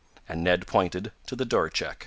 and Ned pointed to the door check.